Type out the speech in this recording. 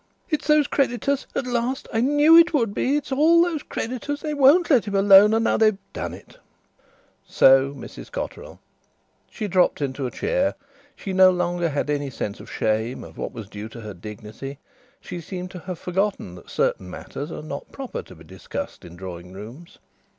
"It's those creditors at last! I knew it would be! It's all those creditors! They won't let him alone, and now they've done it." So Mrs Cotterill! She dropped into a chair. She had no longer any sense of shame, of what was due to her dignity. She seemed to have forgotten that certain matters are not proper to be discussed in drawing rooms.